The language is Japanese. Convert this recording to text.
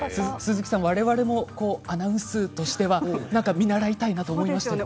われわれもアナウンスとしては見習いたいなと思いますよね。